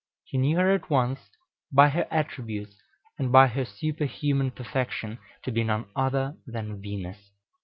He knew her at once, by her attributes and by her superhuman perfection, to be none other than Venus.